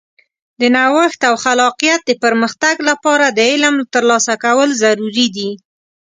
د نوښت او خلاقیت د پرمختګ لپاره د علم ترلاسه کول ضروري دي.